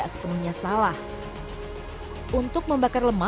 menurut aku mungkin harus di balance balance aja